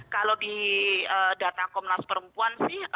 kalau di data komnas perempuan sih